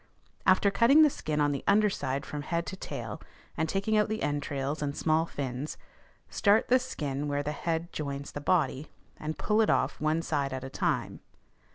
After cutting the skin on the under side from head to tail, and taking out the entrails and small fins, start the skin where the head joins the body, and pull it off one side at a time.